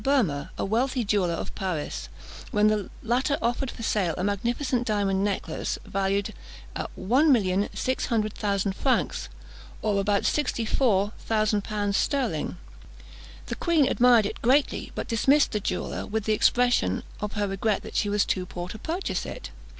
Boehmer, a wealthy jeweller of Paris, when the latter offered for sale a magnificent diamond necklace, valued at 1,600,000 francs, or about 64,000l. sterling. The queen admired it greatly, but dismissed the jeweller, with the expression of her regret that she was too poor to purchase it.